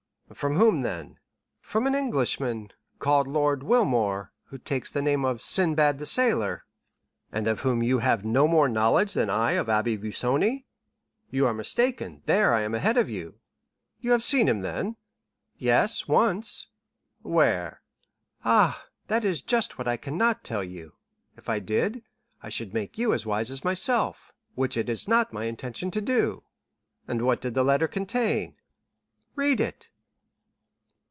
"From whom, then?" "From an Englishman, called Lord Wilmore, who takes the name of Sinbad the Sailor." "And of whom you have no more knowledge than I of the Abbé Busoni?" "You are mistaken; there I am ahead of you." "You have seen him, then?" "Yes, once." "Where?" "Ah, that is just what I cannot tell you; if I did, I should make you as wise as myself, which it is not my intention to do." "And what did the letter contain?" "Read it."